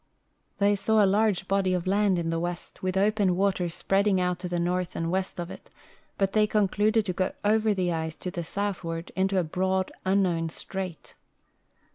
They saw a large body of land in the west, with open water spreading out to the north and west of it, but they concluded to go over the ice to the southward, into a broad unknown strait.